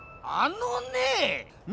あのねぇ！